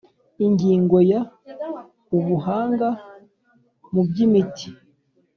Ingingo ya ubuhanga mu by imiti